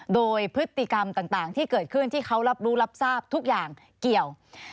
โดยพฤติกรรมต่างที่เกิดขึ้นที่เขารับรู้รับทราบทุกอย่างเกี่ยว